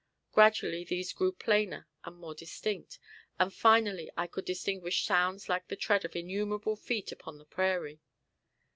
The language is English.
Gradually these grew plainer and more distinct, and finally I could distinguish sounds like the tread of innumerable feet upon the prairie.